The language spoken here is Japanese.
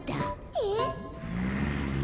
えっ？